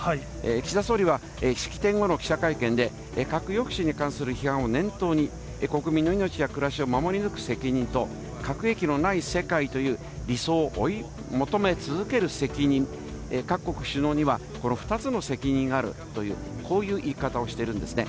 岸田総理は式典後の記者会見で、核抑止に関する批判を念頭に、国民の命や暮らしを守り抜く責任と、核兵器のない世界という理想を追い求め続ける責任、各国首脳には、この２つの責任があるという、こういう言い方をしているんですね。